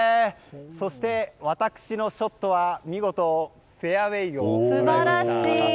そして、私のショットは見事、フェアウェーにいきました。